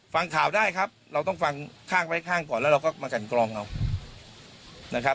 ฟังข่าวได้ครับเราต้องฟังข้างไว้ข้างก่อนแล้วเราก็มากันกรองเอานะครับ